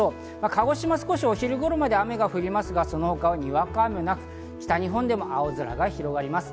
鹿児島、少しお昼頃まで雨が降りますが、その他はにわか雨もなく、北日本でも青空が広がります。